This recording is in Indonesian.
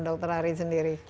dokter hari sendiri